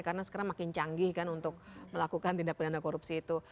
karena sekarang makin canggih kan untuk melakukan tindak pendana korupsi itu